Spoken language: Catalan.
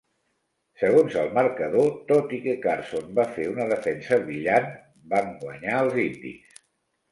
Segons el marcador, tot i que Carson va fer una defensa brillant, van guanyar els indis.